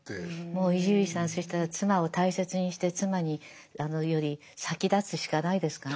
もう伊集院さんそしたら妻を大切にして妻より先立つしかないですかね。